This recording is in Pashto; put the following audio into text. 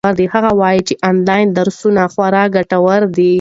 هغه وایي چې آنلاین درسونه خورا ګټور دي.